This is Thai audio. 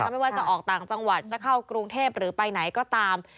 ไม่ว่าจะออกต่างจังหวัดจะเข้ากรุงเทพหรือไปไหนก็ตาม